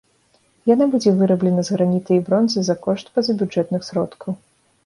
Яна будзе выраблена з граніта і бронзы за кошт пазабюджэтных сродкаў.